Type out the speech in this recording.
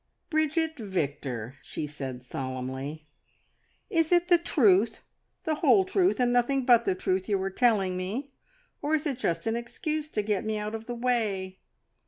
"Bridget Victor," she said solemnly, "is it the truth, the whole truth, and nothing but the truth you are telling me, or is it just an excuse to get me out of the way?